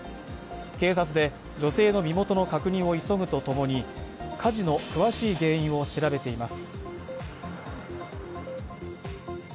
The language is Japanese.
警察で女性の身元の確認を急ぐとともに火事の詳しい原因を調べています。